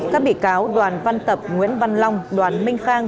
các bị cáo đoàn văn tập nguyễn văn long đoàn minh khang